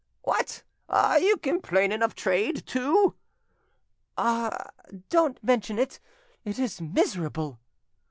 "What! are you complaining of trade too?" "Ah! don't mention it; it is miserable!"